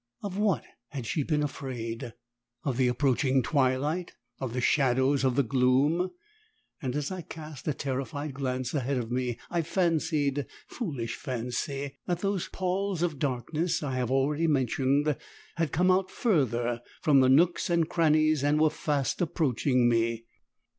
Of what had she been afraid of the approaching twilight, of the shadows, of the gloom; and as I cast a terrified glance ahead of me I fancied foolish fancy! that those palls of darkness I have already mentioned had come out further from the nooks and crannies and were fast approaching me.